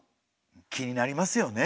気になりますよね？